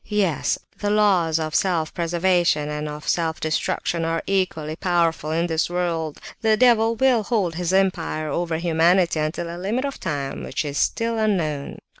Yes, the laws of self preservation and of self destruction are equally powerful in this world. The devil will hold his empire over humanity until a limit of time which is still unknown.